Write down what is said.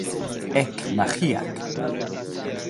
Ek, Maĥiac!